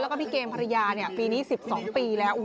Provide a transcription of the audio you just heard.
แล้วก็พี่เกมภรรยาปีนี้๑๒ปีแล้ว